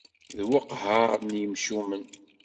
D weqhar n yemcumen.